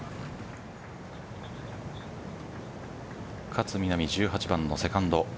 勝みなみ、１８番のセカンド。